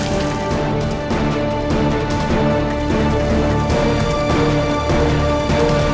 mas kau mau bikin apa